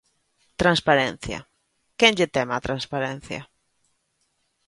Transparencia, ¿quen lle teme á transparencia?